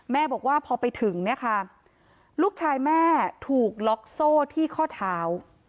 บอกว่าพอไปถึงเนี่ยค่ะลูกชายแม่ถูกล็อกโซ่ที่ข้อเท้า